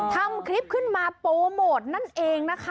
ทำคลิปขึ้นมาโปรโมทนั่นเองนะคะ